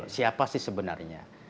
siapa sih sebenarnya